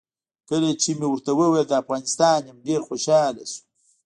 کله چې مې ورته وویل د افغانستان یم ډېر خوشاله شو.